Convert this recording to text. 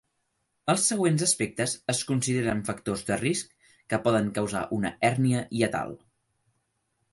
Els següents aspectes es consideren factors de risc que poden causar una hèrnia hiatal.